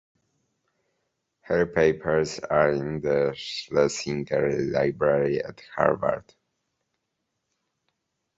Her papers are in the Schlesinger Library at Harvard.